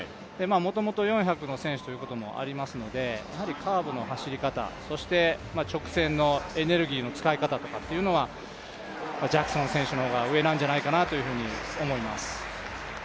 もともと４００の選手ということもありますのでカーブの走り方そして、直線のエネルギーの使い方というのはジャクソン選手の方が上なんじゃないかと思います。